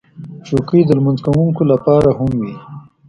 چوکۍ د لمونځ کوونکو لپاره هم وي.